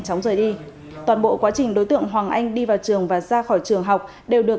chóng rời đi toàn bộ quá trình đối tượng hoàng anh đi vào trường và ra khỏi trường học đều được